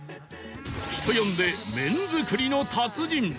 人呼んで麺づくりの達人